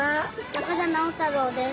高田直太郎です。